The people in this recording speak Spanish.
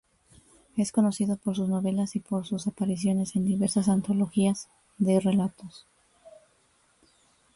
Es conocido por sus novelas y por sus apariciones en diversas antologías de relatos.